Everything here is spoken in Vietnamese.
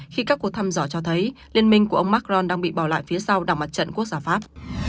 khi các cuộc thăm dò cho thấy liên minh của ông macron đang bị bỏ lại phía sau đảng mặt trận quốc gia pháp